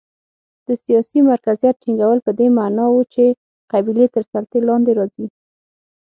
د سیاسي مرکزیت ټینګول په دې معنا و چې قبیلې تر سلطې لاندې راځي.